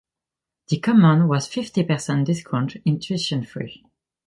The come-on was fifty per cent discount in tuition fee.